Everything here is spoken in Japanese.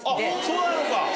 そうなのか。